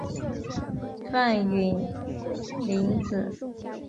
范允临子。